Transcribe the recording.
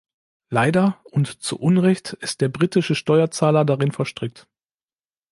Leider und zu Unrecht ist der britische Steuerzahler darin verstrickt.